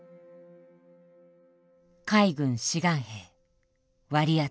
「海軍志願兵割当